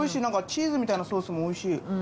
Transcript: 何かチーズみたいなソースもおいしい。